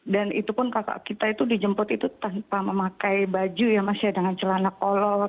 dan itu pun kakak kita itu dijemput itu tanpa memakai baju ya mas ya dengan celana kolor